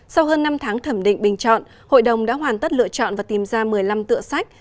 sau hơn năm tháng thẩm định bình chọn hội đồng đã hoàn tất lựa chọn và tìm ra một mươi năm tựa sách